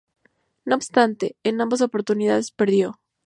No obstante, en ambas oportunidades perdió.